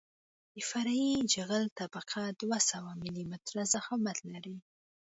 د فرعي جغل طبقه دوه سوه ملي متره ضخامت لري